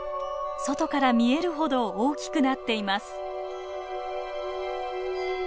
外から見えるほど大きくなっています。